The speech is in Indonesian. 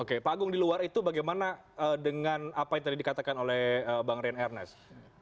oke pak agung di luar itu bagaimana dengan apa yang tadi dikatakan oleh bang rian ernest